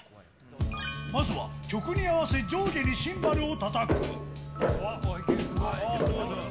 まずは曲に合わせ上下にシンバルをたたく。